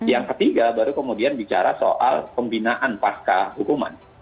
yang ketiga baru kemudian bicara soal pembinaan pasca hukuman